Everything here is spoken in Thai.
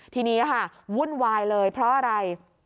ทีนี้ค่ะวุ่นวายเลยเพราะอะไร